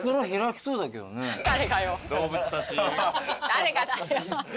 誰がだよ！